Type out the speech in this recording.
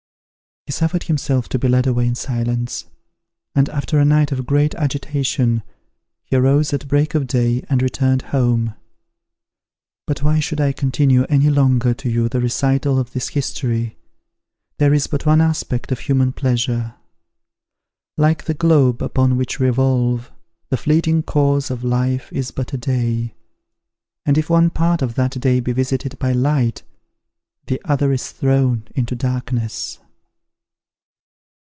He suffered himself to be led away in silence; and, after a night of great agitation, he arose at break of day, and returned home. But why should I continue any longer to you the recital of this history? There is but one aspect of human pleasure. Like the globe upon which we revolve, the fleeting course of life is but a day; and if one part of that day be visited by light, the other is thrown into darkness.